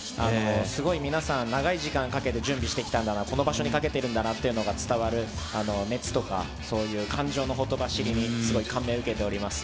すごい皆さん、長い時間かけて準備してきたんだな、この場所にかけてるんだなっていうのが伝わる熱とか、そういう感情のほとばしりに、すごい感銘を受けております。